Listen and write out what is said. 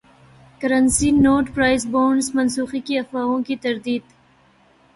currency note prize bonds منسوخی کی افواہوں کی تردید